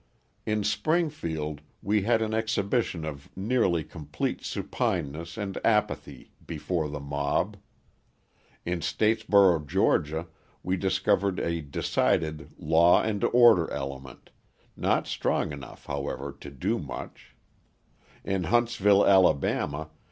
In Springfield we had an exhibition of nearly complete supineness and apathy before the mob; in Statesboro, Ga., we discovered a decided law and order element, not strong enough, however, to do much; in Huntsville, Ala.